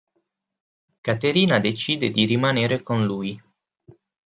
Caterina decide di rimanere con lui.